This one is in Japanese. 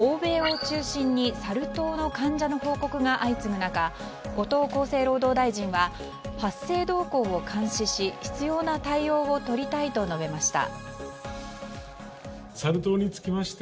欧米を中心にサル痘の患者の報告が相次ぐ中、後藤厚生労働大臣は発生動向を監視し必要な対応を取りたいと述べました。